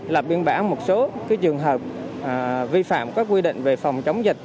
làm biên bản một số cái trường hợp vi phạm các quy định về phòng chống dịch